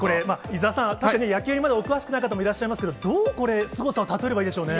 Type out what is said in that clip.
伊沢さん、確かに野球にお詳しくない方もいらっしゃいますけど、どうこれ、すごさを例えればいいんでしょうね。